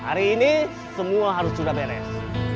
hari ini semua harus sudah beres